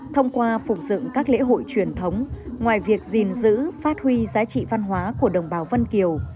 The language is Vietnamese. thông qua phục dựng các lễ hội truyền thống ngoài việc gìn giữ phát huy giá trị văn hóa của đồng bào vân kiều